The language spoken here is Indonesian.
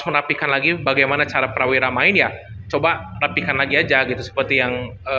merapikan lagi bagaimana cara prawira main ya coba rapikan lagi aja gitu seperti yang